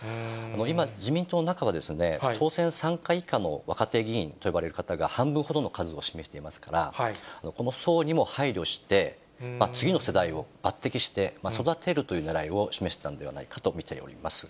今、自民党の中は当選３回以下の若手議員と呼ばれる方が、半分ほどの数を占めていますから、この層にも配慮して、次の世代を抜てきして、育てるというねらいを示したんではないかと見ております。